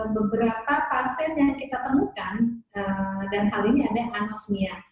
beberapa pasien yang kita temukan dan hal ini ada yang anosmia